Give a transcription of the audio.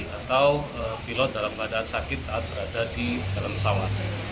ketika pilot tak berada di dalam pesawat